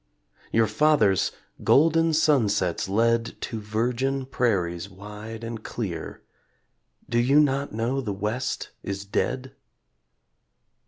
Your fathers, golden sunsets led To virgin prairies wide and clear Do you not know the West is dead?